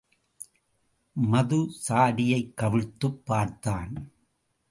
மதுச்சாடியைக் கவிழ்த்துப் பார்த்தான்.